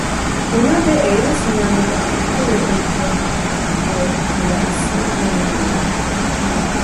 Una de ellas en el departamento de ultramar de la Isla Reunión.